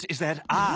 ああ。